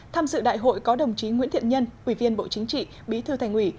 tham dự đại hội có đồng chí nguyễn thiện nhân ủy viên bộ chính trị bí thư thành ủy